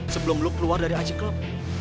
sebelum lo keluar dari ac club